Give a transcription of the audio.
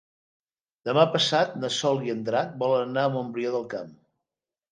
Demà passat na Sol i en Drac volen anar a Montbrió del Camp.